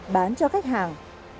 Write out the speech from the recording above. bán cho khách hàng